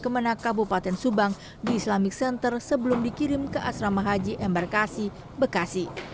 kemenang kabupaten subang di islamic center sebelum dikirim ke asrama haji embarkasi bekasi